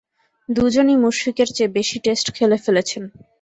দুজনই মুশফিকের চেয়ে বেশি টেস্ট খেলে ফেলেছেন।